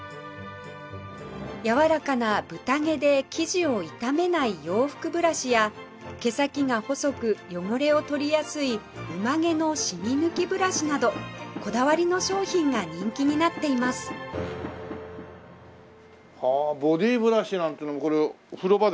やわらかなブタ毛で生地を傷めない洋服ブラシや毛先が細く汚れを取りやすいウマ毛の染み抜きブラシなどこだわりの商品が人気になっていますはあボディーブラシなんてのもこれ風呂場で？